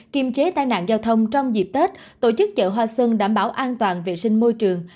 kiềm chế tai nạn giao thông trong dịp tết tổ chức chợ hoa xuân đảm bảo an toàn vệ sinh môi trường